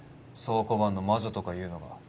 倉庫番の魔女とかいうのが。